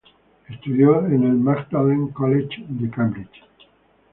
Estudió en el Magdalene College de Cambridge.